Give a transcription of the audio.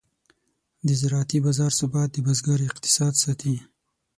د زراعتي بازار ثبات د بزګر اقتصاد ساتي.